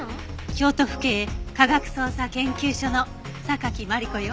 京都府警科学捜査研究所の榊マリコよ。